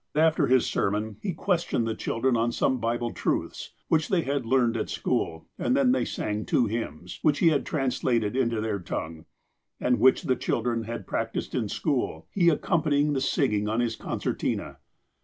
After his sermon, he questioned the children on some Bible truths, which they had learned at school, and then they sang two hymns, which he had translated into their tongue, and which the children had practiced in school, he accompanying the singing on his concertina.